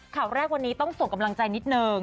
ข่าวแรกวันนี้ต้องส่งกำลังใจนิดนึง